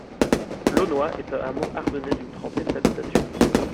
Launoy est un hameau ardennais d'une trentaine d'habitations.